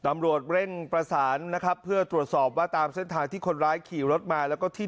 ตำรวจเร่งประสานนะครับเพื่อตรวจสอบว่าตามเส้นทางที่คนร้ายขี่รถมาแล้วก็ที่